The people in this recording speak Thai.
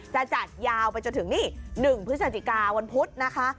จะจัดยาวไปจนถึงนี่๑พฤศจิกาวันพุธนะคะ